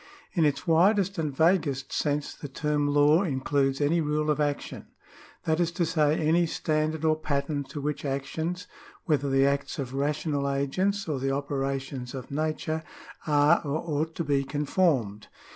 In its widest and vaguest sense the term law includes any rule of action : that is to say, any standard or pattern to which actions (whether the acts of rational agents or the operations of nature) are or ought to be con formed.